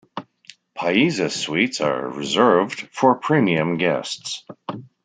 Paiza suites are reserved for premium guests.